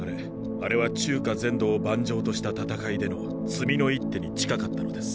あれは中華全土を盤場とした戦いでの「詰みの一手」に近かったのです。